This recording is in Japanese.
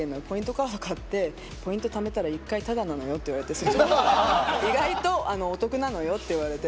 カード買ってポイントためたら１回ただなのよってそっちのほうが意外とお得なのよって言われて。